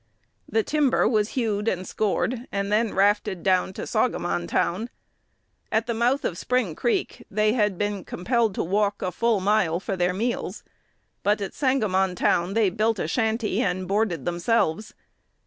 The timber was hewed and scored, and then "rafted down to Saugamon town." At the mouth of Spring Creek they had been compelled to walk a full mile for their meals; but at Sangamon town they built a shanty, and boarded themselves.